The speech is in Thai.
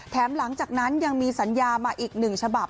แถมหลังจากนั้นยังมีสัญญามาอีก๑ฉบับ